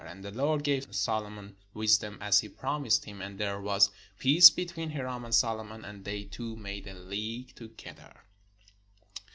And the Lord gave Solomon wisdom, as he promised him: and there was peace between Hiram and Solomon ; and they two made a league together.